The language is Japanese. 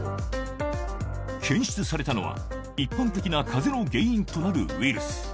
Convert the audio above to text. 検出されたのは、一般的なかぜの原因となるウイルス。